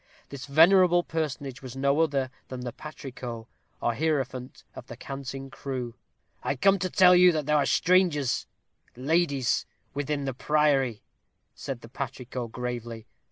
This venerable personage was no other than the patrico, or hierophant of the Canting Crew. "I come to tell you that there are strangers ladies within the priory," said the patrico, gravely.